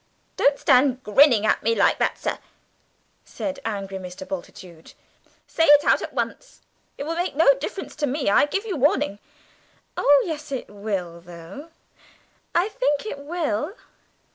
"Don't stand grinning at me like that, sir," said the angry Mr. Bultitude; "say it out at once; it will make no difference to me, I give you warning!" "Oh, yes it will, though. I think it will.